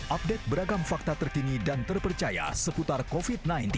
update beragam fakta terkini dan terpercaya seputar covid sembilan belas